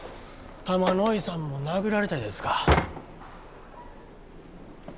玉乃井さんも殴られたいですか？